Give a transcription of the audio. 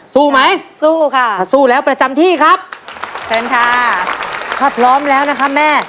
สู้ไหมสู้ค่ะสู้แล้วประจำที่ครับเชิญค่ะถ้าพร้อมแล้วนะคะแม่